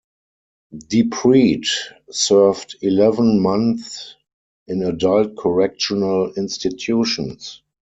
DiPrete served eleven months in Adult Correctional Institutions.